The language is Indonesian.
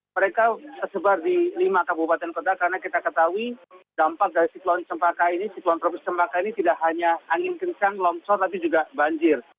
mereka sebar di lima kabupaten kota karena kita ketahui dampak dari siklon cempaka ini siklon tropis cempaka ini tidak hanya angin kencang longsor tapi juga banjir